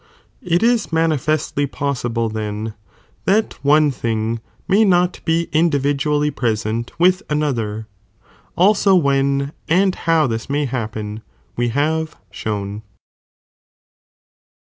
It is manifestly possible then, that one thing may not be individually present with another, also when, and how this may happen, we have shown.